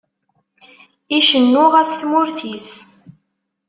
Icennu ɣef tmurt-is.